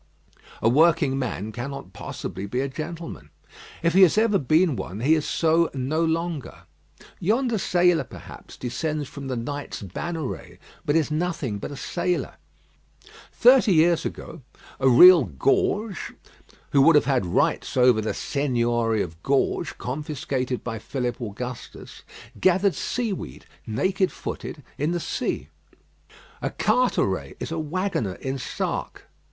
A working man cannot possibly be a gentleman. If he has ever been one, he is so no longer. Yonder sailor, perhaps, descends from the Knights Bannerets, but is nothing but a sailor. Thirty years ago, a real Gorges, who would have had rights over the Seigniory of Gorges, confiscated by Philip Augustus, gathered seaweed, naked footed, in the sea. A Carteret is a waggoner in Sark.